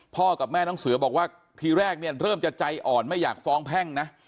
กับแม่น้องเสือบอกว่าทีแรกเนี่ยเริ่มจะใจอ่อนไม่อยากฟ้องแพ่งนะ